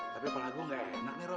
tapi malam gue engga enak rob